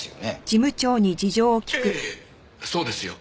ええそうですよ。